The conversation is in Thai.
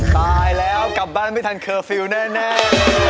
ตายแล้วกลับบ้านไม่ทันเคอร์ฟิลล์แน่